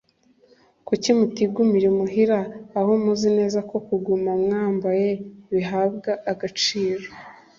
Kuki mutigumira imuhira aho muzi neza ko kuguma mwambaye bihabwa agaciro